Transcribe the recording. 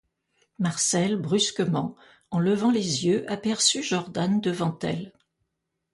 Marcelle, brusquement, en levant les yeux, aperçut Jordan devant elle.